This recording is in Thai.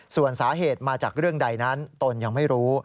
ส่วนสาเหตุมาจากเรื่องใดนั้นตนยังไม่รู้